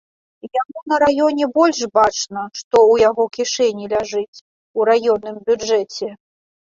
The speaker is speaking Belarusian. Яму на раёне больш бачна, што ў яго кішэні ляжыць, у раённым бюджэце.